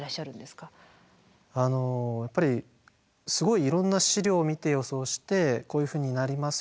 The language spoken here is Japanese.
やっぱりすごいいろんな資料を見て予想してこういうふうになります